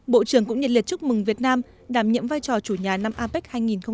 bộ trưởng cũng nhật liệt chúc mừng việt nam đảm nhiệm vai trò chủ nhà năm apec hai nghìn một mươi bảy